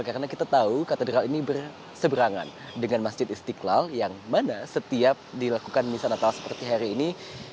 karena kita tahu katedral ini berseberangan dengan masjid istiqlal yang mana setiap dilakukan misah natal seperti hari ini